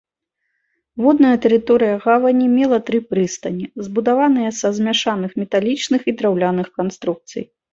Водная тэрыторыя гавані мела тры прыстані, збудаваныя са змяшаных металічных і драўляных канструкцый.